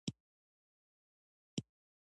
کندهار د افغان ماشومانو د زده کړې موضوع ده.